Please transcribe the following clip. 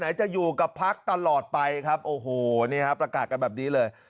จะอยู่กับพักตลอดไปครับโอ้โหนี่ฮะประกาศกันแบบนี้เลย